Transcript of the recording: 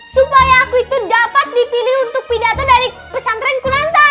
supaya aku itu dapat dipilih untuk pidato dari pesantren kulontar